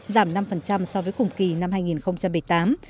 giảm năm so với cùng kỳ năm hai nghìn một mươi tám